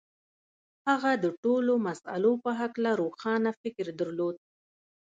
هغه د ټولو مسألو په هکله روښانه فکر درلود.